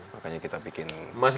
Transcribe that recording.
makanya kita bikin catering